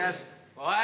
おい！